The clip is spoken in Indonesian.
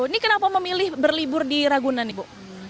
ini kenapa memilih berlibur di ragunan ibu